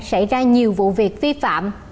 sẽ ra nhiều vụ việc vi phạm